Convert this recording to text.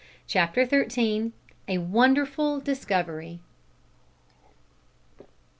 CHAPTER THIRTEEN. A WONDERFUL DISCOVERY.